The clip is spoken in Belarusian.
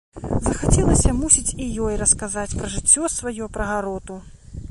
Захацелася, мусіць, і ёй расказаць пра жыццё сваё, пра гароту.